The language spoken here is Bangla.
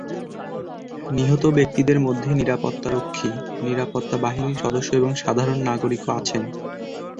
নিহত ব্যক্তিদের মধ্যে নিরাপত্তারক্ষী, নিরাপত্তা বাহিনীর সদস্য এবং সাধারণ নাগরিকও আছেন।